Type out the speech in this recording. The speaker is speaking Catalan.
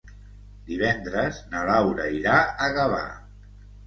Divendres na Laura irà a Gavà.